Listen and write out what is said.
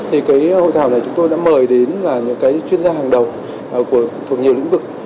hội thảo này chúng tôi đã mời đến những chuyên gia hàng đầu thuộc nhiều lĩnh vực